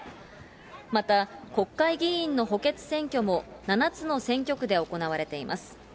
また、国会議員の補欠選挙も７つの選挙区で行われています。